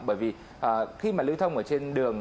bởi vì khi mà lưu thông ở trên đường